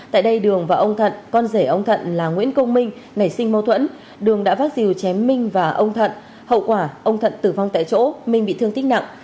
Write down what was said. tại đây đường và ông thận con rể ông thận là nguyễn công minh nảy sinh mâu thuẫn đường đã vác dìu chém minh và ông thận hậu quả ông thận tử vong tại chỗ minh bị thương tích nặng